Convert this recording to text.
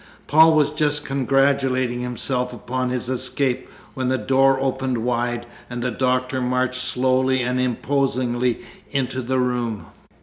Paul was just congratulating himself upon his escape when the door opened wide, and the Doctor marched slowly and imposingly into the room.